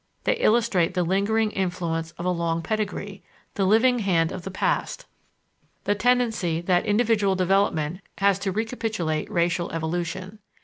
They illustrate the lingering influence of a long pedigree, the living hand of the past, the tendency that individual development has to recapitulate racial evolution.